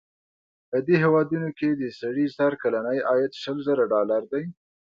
په دې هېوادونو کې د سړي سر کلنی عاید شل زره ډالره دی.